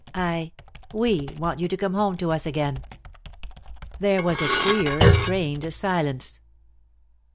"I we want you to come home to us again." There was a queer, strained silence.